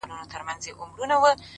ځوان دعا کوي”